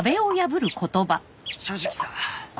正直さ。